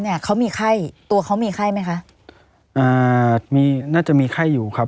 เนี้ยเขามีไข้ตัวเขามีไข้ไหมคะอ่ามีน่าจะมีไข้อยู่ครับ